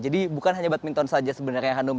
bukan hanya badminton saja sebenarnya hanum